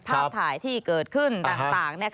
ภาพถ่ายที่เกิดขึ้นต่าง